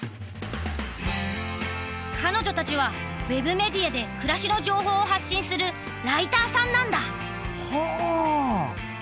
彼女たちはウェブメディアで暮らしの情報を発信するライターさんなんだ。はあ。